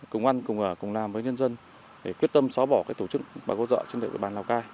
công an cùng làm với nhân dân để quyết tâm xóa bỏ tổ chức bà cô dợ trên địa bàn lào cai